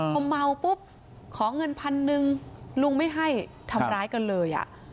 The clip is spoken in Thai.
พอเมาปุ๊บขอเงินพันหนึ่งลุงไม่ให้ทำร้ายกันเลย